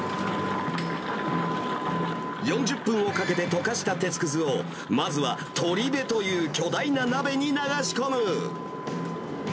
４０分をかけて溶かした鉄くずを、まずは取鍋という巨大な鍋に流し込む。